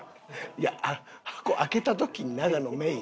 いや箱開けた時に永野芽郁が。